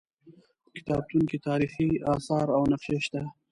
په کتابتون کې تاریخي اثار او نقشې شته.